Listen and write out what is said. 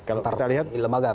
kalau kita lihat